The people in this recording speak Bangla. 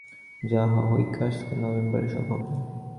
যাহা হউক, আসছে নভেম্বরে সব হবে।